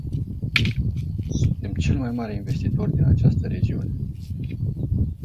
Suntem cel mai mare investitor din această regiune.